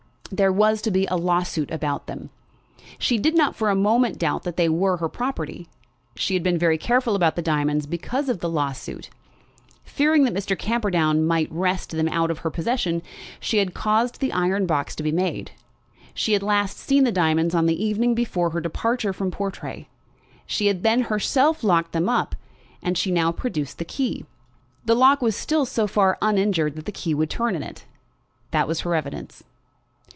There was to be a lawsuit about them. She did not for a moment doubt that they were her property. She had been very careful about the diamonds because of the lawsuit. Fearing that Mr. Camperdown might wrest them from her possession, she had caused the iron box to be made. She had last seen the diamonds on the evening before her departure from Portray. She had then herself locked them up, and she now produced the key. The lock was still so far uninjured that the key would turn it. That was her evidence.